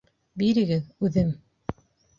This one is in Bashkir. Бирегеҙ, үҙем.